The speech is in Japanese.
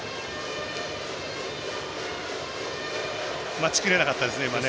待ちきれなかったですね、今。